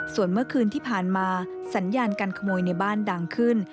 ส่วนเมื่อคืนที่ผ่านมาสัญญาการขโมยในบ้านดังขึ้น